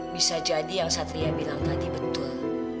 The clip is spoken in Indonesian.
bisa jadi yang satria bilang tadi betul